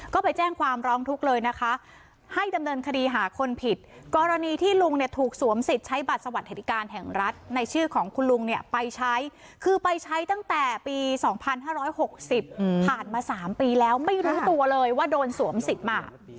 ก็ไปแจ้งความร้องทุกข์เลยนะคะให้ดำเนินคดีหาคนผิดกรณีที่ลุงเนี่ยถูกสวมสิทธิ์ใช้บัตรสวัสดิการแห่งรัฐในชื่อของคุณลุงเนี่ยไปใช้คือไปใช้ตั้งแต่ปี๒๕๖๐ผ่านมา๓ปีแล้วไม่รู้ตัวเลยว่าโดนสวมสิทธิ์มา